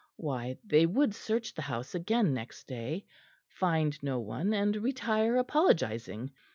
Why, they would search the house again next day; find no one, and retire apologising.